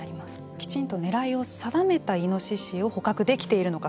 きちんとねらいを定めたイノシシを捕獲できているのか。